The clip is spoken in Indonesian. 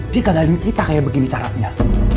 dia gagalin kita kayak begini caranya